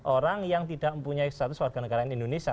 orang yang tidak mempunyai status warganegara indonesia